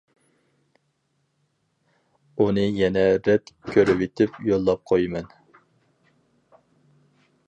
ئۇنى يەنە رەت كۆرۈۋېتىپ يوللاپ قويىمەن.